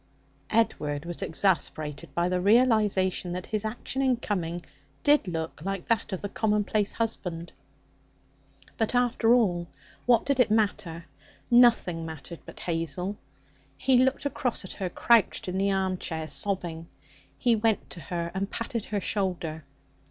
Edward was exasperated by the realization that his action in coming did look like that of the commonplace husband. But, after all, what did it matter? Nothing mattered but Hazel. He looked across at her crouched in the armchair sobbing. He went to her and patted her shoulder.